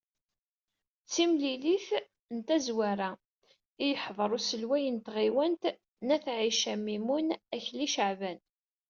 D timlilit n tazwara, i yeḥḍer uselway n tɣiwant n Ayt Ɛisa Mimun Akli Ceεban.